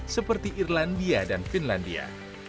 seperti irlandia dan finlandia